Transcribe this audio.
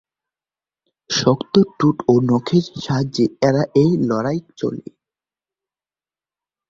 শক্ত ঠোঁট ও নখের সাহায্যে এ লড়াই চলে।